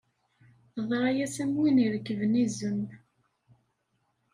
Teḍra-as am win irekben izem.